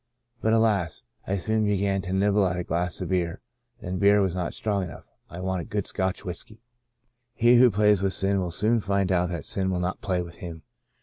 But alas, I soon began to nibble at a glass of beer, then beer was not strong enough. I wanted * good ' Scotch whiskey. " He who plays with sin will soon find out that sin will not play with him.